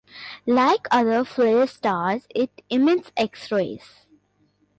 Like other flare stars, it emits X-rays.